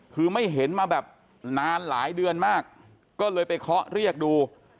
คือไม่เห็นมาแบบนานหลายเดือนมากก็เลยไปเคาะเรียกดู